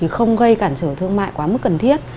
không gây cản trở thương mại quá mức cần thiết